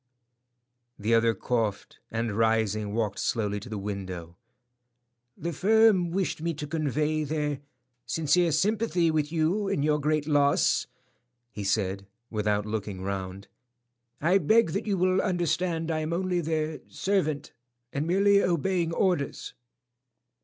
The other coughed, and rising, walked slowly to the window. "The firm wished me to convey their sincere sympathy with you in your great loss," he said, without looking round. "I beg that you will understand I am only their servant and merely obeying orders."